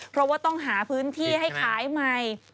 เพราะว่าต้องหาพื้นที่ที่นิดแหละให้ขายใหม่